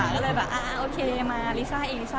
ก็เลยแบบอ่าโอเคมาลิซ่าเองลิซ่า